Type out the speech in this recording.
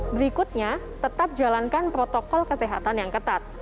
berikutnya tetap jalankan protokol kesehatan yang ketat